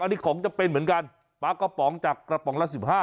อันนี้ของจะเป็นเหมือนกันปลากระป๋องจากกระป๋องละ๑๕